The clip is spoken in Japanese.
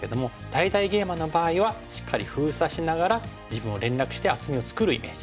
大々ゲイマの場合はしっかり封鎖しながら自分を連絡して厚みを作るイメージ。